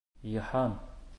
Йыһан